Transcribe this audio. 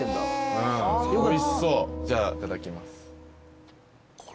じゃあいただきます。